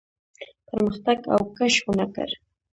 پرمختګ او کش ونه کړ.